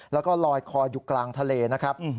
แล้วก็ลอยคออยู่กลางทะเลนะครับ